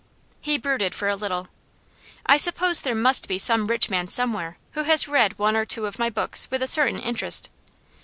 He brooded for a little. 'I suppose there must be some rich man somewhere who has read one or two of my books with a certain interest.